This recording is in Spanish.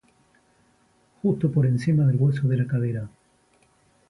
justo por encima del hueso de la cadera